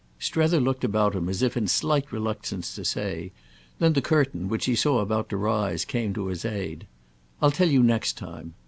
Strether looked about him as in slight reluctance to say; then the curtain, which he saw about to rise, came to his aid. "I'll tell you next time."